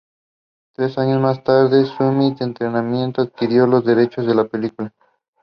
It was also shortlisted for the prestigious "Madan Puraskar" for the same year.